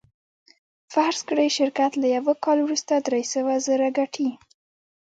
فرض کړئ شرکت له یوه کال وروسته درې سوه زره ګټي